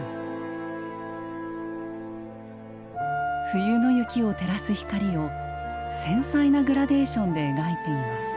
冬の雪を照らす光を繊細なグラデーションで描いています。